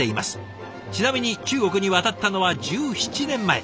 ちなみに中国に渡ったのは１７年前。